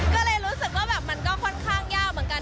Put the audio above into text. ก็เลยรู้สึกว่าแบบมันก็ค่อนข้างยากเหมือนกัน